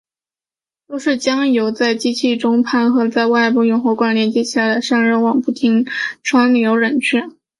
都是将油在机器的中盘里和在外部用喉管连接的散热网不停地穿流冷却。